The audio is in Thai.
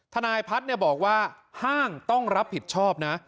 ทนายพัฒน์บอกว่าห้างต้องรับผิดชอบนะ